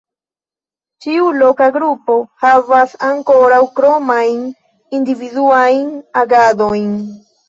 Ĉiu loka grupo havas ankoraŭ kromajn individuajn agadojn.